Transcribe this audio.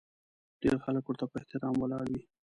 ډېر خلک ورته په احترام ولاړ وي.